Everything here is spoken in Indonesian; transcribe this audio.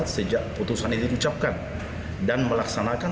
jangan lupa untuk memberikan komentar dan berlangganan